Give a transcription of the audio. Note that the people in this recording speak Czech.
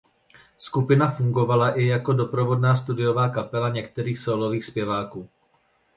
Skupina fungovala i jako doprovodná studiová kapela některých sólových zpěváků.